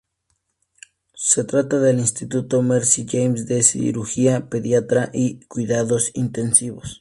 Se trata del Instituto Mercy James de Cirugía Pediátrica y Cuidados Intensivos.